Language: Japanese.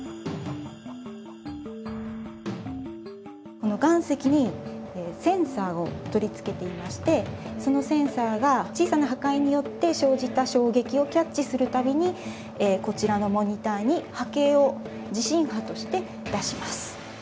この岩石にセンサーを取り付けていましてそのセンサーが小さな破壊によって生じた衝撃をキャッチする度にこちらのモニターに波形を地震波として出します。